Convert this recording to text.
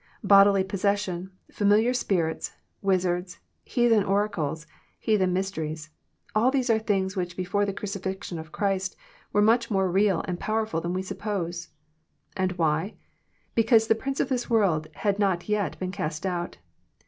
Bodily possession, familiar spirits, wizards, heathen oracles, heathen mysteries, — all these are things which before the crucifixion of Christ were much more real and powerftil than we suppose. — And why ? Because the '* prince of this world " had LOt yet been cast out.